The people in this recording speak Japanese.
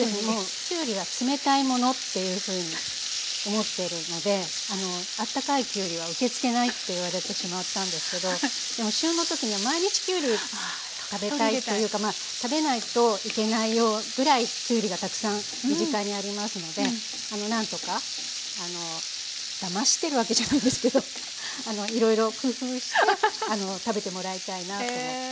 きゅうりは冷たいものっていうふうに思っているので「あったかいキュウリは受け付けない」って言われてしまったんですけどでも旬の時には毎日きゅうり食べたいというか食べないといけないぐらいきゅうりがたくさん身近にありますのであの何とかだましてるわけじゃないんですけどいろいろ工夫して食べてもらいたいなと思って。